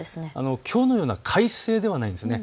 きょうのような快晴ではないですね。